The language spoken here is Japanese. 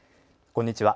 こんにちは。